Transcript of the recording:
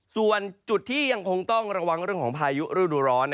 ส่วนจุดที่ยังคงต้องระวังเรื่องของพายุฤดูร้อน